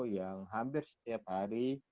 yang hampir setiap hari